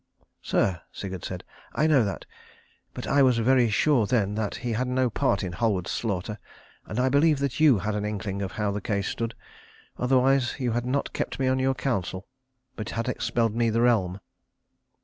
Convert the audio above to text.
"Sir," Sigurd said, "I know that. But I was very sure then that he had no part in Halward's slaughter, and I believe that you had an inkling of how the case stood. Otherwise you had not kept me on your council, but had expelled me the realm."